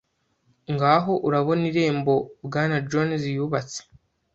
Ngaho urabona irembo Bwana Jones yubatse.